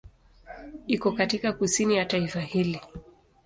Iko katika kusini ya taifa hili.